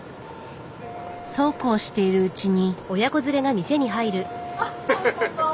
そうこうしているうちに。